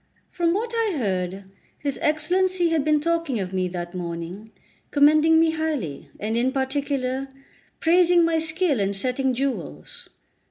From what I heard, his Excellency had been talking of me that morning, commending me highly, and in particular praising my skill in setting jewels.